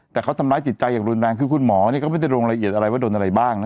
แต่เขาทำร้ายจิตใจอย่างรุนแรงคือคุณหมอเนี่ยก็ไม่ได้ลงละเอียดอะไรว่าโดนอะไรบ้างนะ